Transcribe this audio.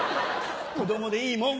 子供でいいもん。